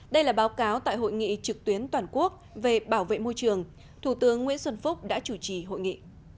đây là báo cáo tại hội nghị trực tuyến toàn quốc về bảo vệ môi trường thủ tướng nguyễn xuân phúc đã chủ trì hội nghị